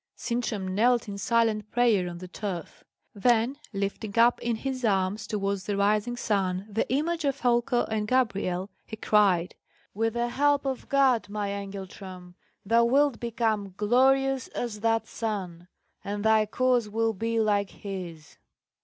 Sintram knelt in silent prayer on the turf; then lifting up in his arms, towards the rising sun, the image of Folko and Gabrielle, he cried, "With the help of God, my Engeltram, thou wilt become glorious as that sun, and thy course will be like his!"